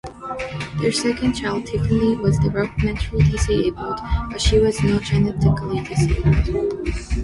Their second child, Tiffany, was developmentally disabled, but she was not genetically disabled.